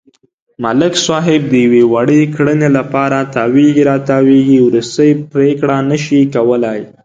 ملک صاحب د یوې وړې کړنې لپاره تاوېږي را تاووېږي، ورستۍ پرېکړه نشي کولای.